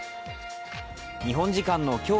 日本時間の今日